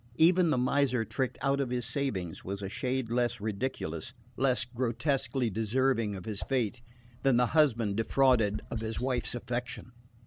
Even the miser tricked out of his savings was a shade less ridiculous, less grotesquely deserving of his fate, than the husband defrauded of his wife's affection.